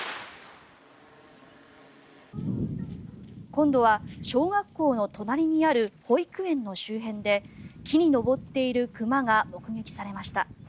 今度は小学校の隣にある保育園の周辺で木に登っている熊が目撃されました。